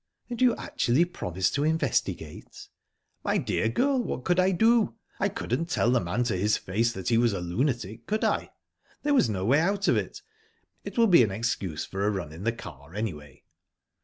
"And you actually promised to investigate?" "My dear girl, what could I do? I couldn't tell the man to his face that he was a lunatic, could I? There was no way out of it...It will be an excuse for a run in the car, anyway."